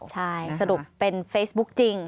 ใช่สรุปเป็นเฟซบุ๊คจริง